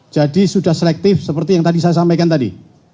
jadi sudah selektif seperti yang tadi saya sampaikan tadi